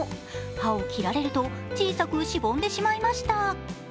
歯を切られると小さくしぼんでしまいました。